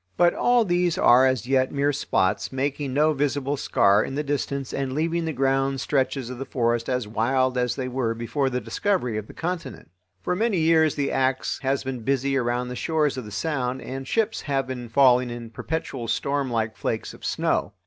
But all these are as yet mere spots, making no visible scar in the distance and leaving the grand stretches of the forest as wild as they were before the discovery of the continent. For many years the axe has been busy around the shores of the Sound and ships have been falling in perpetual storm like flakes of snow.